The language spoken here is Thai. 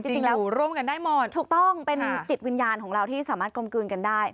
จริงแล้วถูกต้องเป็นจิตวิญญาณของเราที่สามารถกลมกลืนกันได้